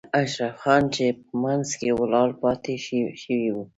اشرف خان چې په منځ کې ولاړ پاتې شوی و.